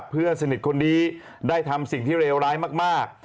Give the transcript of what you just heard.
เพื่อนสนิทคนนี้ได้ทำสิ่งที่เลวร้ายมาก